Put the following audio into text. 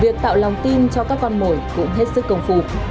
việc tạo lòng tin cho các con mồi cũng hết sức công phu